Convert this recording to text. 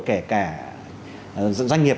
kể cả doanh nghiệp